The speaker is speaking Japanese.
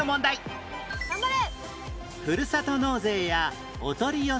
頑張れ！